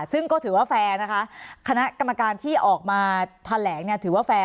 ซึ่งก็ถือว่าแฟร์นะคะคณะกรรมการที่ออกมาแถลงเนี่ยถือว่าแฟร์